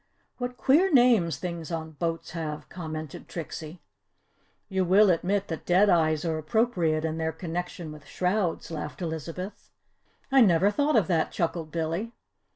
"What queer names things on boats have," commented Trixie. "You will admit that dead eyes are appropriate in their connection with shrouds," laughed Elizabeth. "I never thought of that," chuckled Billy.